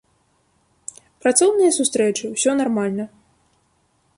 Працоўныя сустрэчы, усё нармальна.